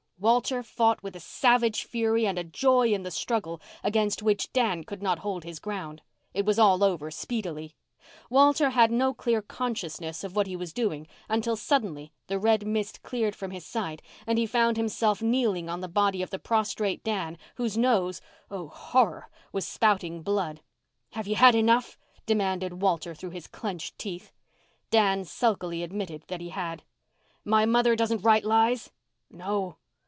Walter fought with a savage fury and a joy in the struggle against which Dan could not hold his ground. It was all over very speedily. Walter had no clear consciousness of what he was doing until suddenly the red mist cleared from his sight and he found himself kneeling on the body of the prostrate Dan whose nose—oh, horror!—was spouting blood. "Have you had enough?" demanded Walter through his clenched teeth. Dan sulkily admitted that he had. "My mother doesn't write lies?" "No."